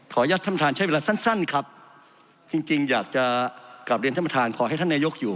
ขออนุญาตธรรมฐานใช้เวลาสั้นครับจริงอยากจะกลับเรียนธรรมฐานขอให้ท่านนายกอยู่